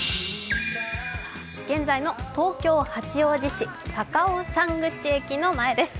現在の東京・八王子市高尾山口駅の前です。